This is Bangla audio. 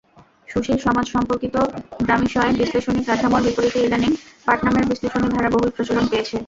সুশীল সমাজসম্পর্কিত গ্রামিসয় বিশ্লেষণী কাঠামোর বিপরীতে ইদানীং পাটনামের বিশ্লেষণী ধারা বহুল প্রচলন পেয়েছে।